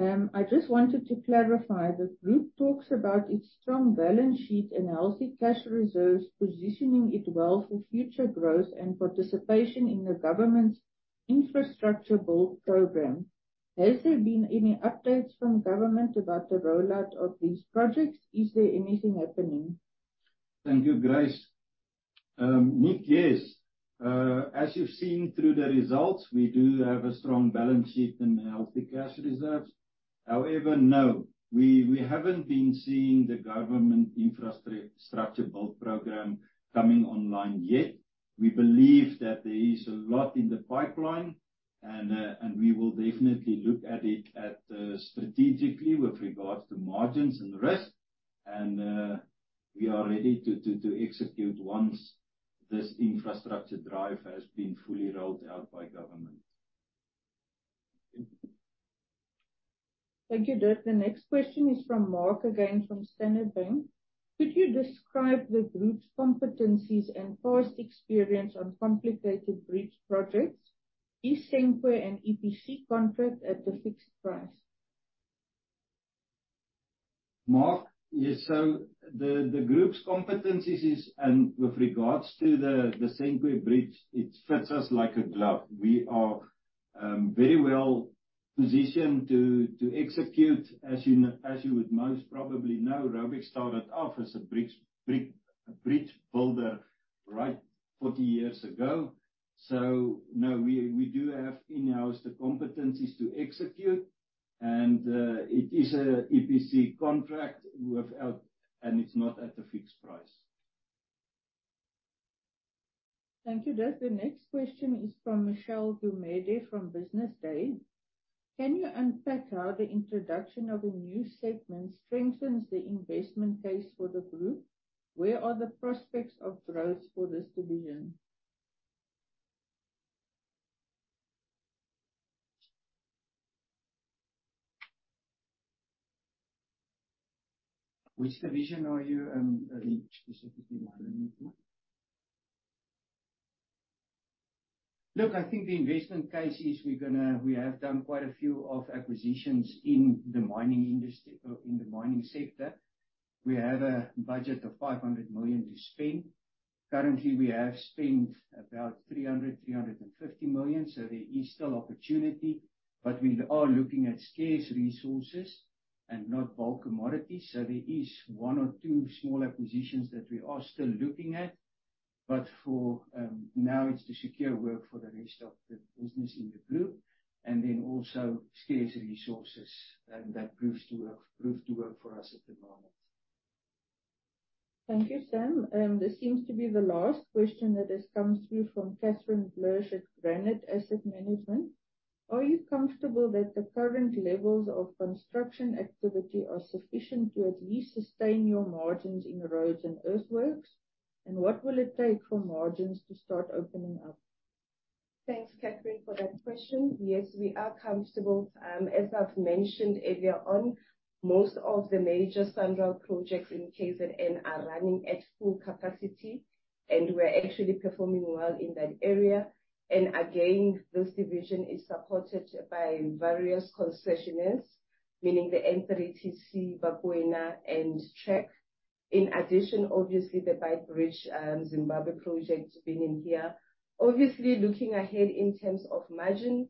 Speaker 4: I just wanted to clarify, the group talks about its strong balance sheet and healthy cash reserves, positioning it well for future growth and participation in the government's infrastructure build program. Has there been any updates from government about the rollout of these projects? Is there anything happening?
Speaker 3: Thank you, Grace. Nick, yes, as you've seen through the results, we do have a strong balance sheet and healthy cash reserves. However, no, we haven't been seeing the government infrastructure build program coming online yet. We believe that there is a lot in the pipeline, and we will definitely look at it strategically with regards to margins and risk. We are ready to execute once this infrastructure drive has been fully rolled out by government.
Speaker 4: Thank you, Dirk. The next question is from Marc again, from Standard Bank. Could you describe the group's competencies and past experience on complicated bridge projects? Is Senqu an EPC contract at a fixed price?
Speaker 3: Marc, yes, so the group's competencies is with regards to the Senqu Bridge, it fits us like a glove. We are very well positioned to execute. As you would most probably know, Raubex started off as a brick bridge builder, right, 40 years ago. So no, we do have in-house the competencies to execute, and it is an EPC contract without... It's not at a fixed price.
Speaker 4: Thank you, Dirk. The next question is from Michelle Gumede, from Business Day. Can you unpack how the introduction of a new segment strengthens the investment case for the group? Where are the prospects of growth for this division?
Speaker 2: Which division are you referring specifically to? Look, I think the investment case is we're gonna, we have done quite a few of acquisitions in the mining industry, or in the mining sector. We have a budget of 500 million to spend. Currently, we have spent about 350 million, so there is still opportunity, but we are looking at scarce resources and not bulk commodities. So there is one or two small acquisitions that we are still looking at, but for now it's to secure work for the rest of the business in the group, and then also scarce resources that proves to work, prove to work for us at the moment.
Speaker 4: Thank you, Sam. This seems to be the last question that has come through from Catherine Breytenbach at Granate Asset Management. Are you comfortable that the current levels of construction activity are sufficient to at least sustain your margins in roads and earthworks? And what will it take for margins to start opening up?
Speaker 1: Thanks, Catherine, for that question. Yes, we are comfortable. As I've mentioned earlier on, most of the major SANRAL projects in KZN are running at full capacity, and we're actually performing well in that area. And again, this division is supported by various concessionaires, meaning the N3TC, Bakwena, and TRAC. In addition, obviously, the Beitbridge, Zimbabwe project being in here. Obviously, looking ahead in terms of margin,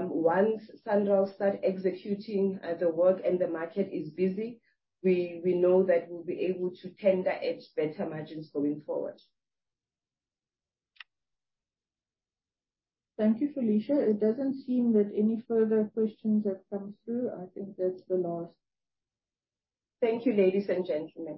Speaker 1: once SANRAL start executing, the work and the market is busy, we, we know that we'll be able to tender at better margins going forward.
Speaker 4: Thank you, Felicia. It doesn't seem that any further questions have come through. I think that's the last.
Speaker 1: Thank you, ladies and gentlemen.